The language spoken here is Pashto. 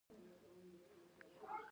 د باران ورېځ!